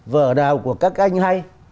vở đào của các anh hay